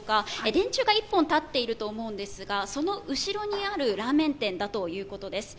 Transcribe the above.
電柱が１本立っていると思うんですがその後ろにあるラーメン店だということです。